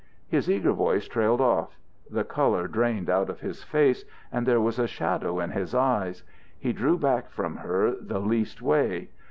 His eager voice trailed off. The colour drained out of his face and there was a shadow in his eyes. He drew back from her the least way.